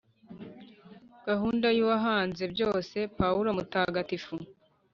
gahunda y’uwahanze byose.pawulo mutagatifu